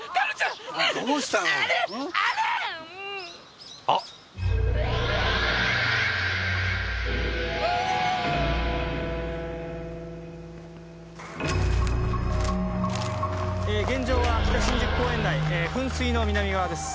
えー現場は北新宿公園内噴水の南側です。